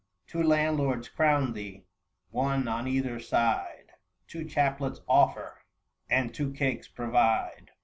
Two landlords crown thee, one on either side, Two chaplets offer, and two cakes provide.